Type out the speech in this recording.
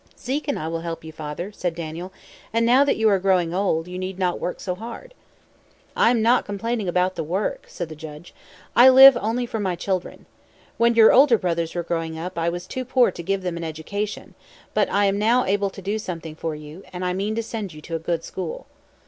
"Zeke and I will help you, father," said Daniel; "and now that you are growing old, you need not work so hard." "I am not complaining about the work," said the judge. "I live only for my children. When your older brothers were growing up I was too poor to give them an education; but I am able now to do something for you, and I mean to send you to a good school."